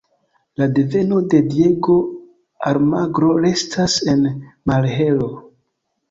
La deveno de Diego Almagro restas en malhelo.